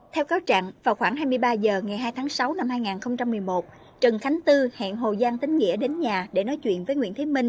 theo cáo trạng vào khoảng hai mươi ba h ngày hai tháng sáu năm hai nghìn một mươi một trần khánh tư hẹn hồ giang tính nghĩa đến nhà để nói chuyện với nguyễn thế minh